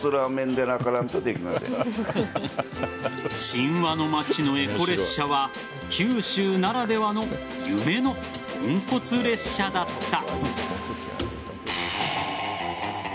神話の町のエコ列車は九州ならではの夢のとんこつ列車だった。